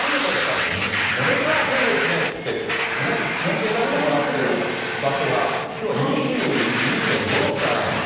って、ものすごい暑いですねって、気温計出してもらってる場所が、きょうは２２．５度しかない。